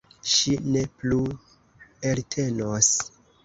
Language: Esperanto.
Ŝi ne plu eltenos.